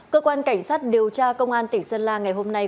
cơ quan cảnh sát điều tra công an tỉnh sơn la ngày hôm nay